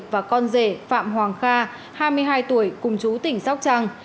và con rể phạm hoàng kha hai mươi hai tuổi cùng chú tỉnh sóc trăng